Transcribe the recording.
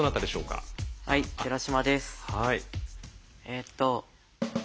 えっと。